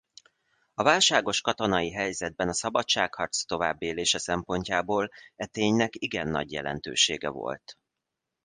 A válságos katonai helyzetben a szabadságharc továbbélése szempontjából e ténynek igen nagy jelentősége volt.